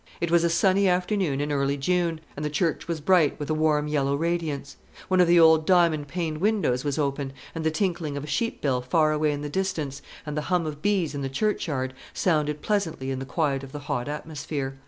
It was a sunny afternoon in early June, and the church was bright with a warm yellow radiance; one of the old diamond paned windows was open, and the tinkling of a sheep bell far away in the distance, and the hum of bees in the churchyard, sounded pleasantly in the quiet of the hot atmosphere.